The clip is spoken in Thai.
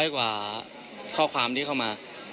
กว่าข้อความที่เข้ามา